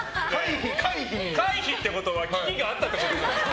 回避ってことは危機があったってことじゃん。